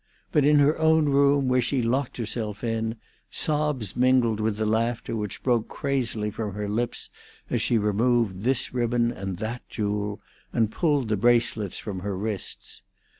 But in her own room, where she locked herself in, sobs mingled with the laughter which broke crazily from her lips as she removed this ribbon and that jewel, and pulled the bracelets from her wrists.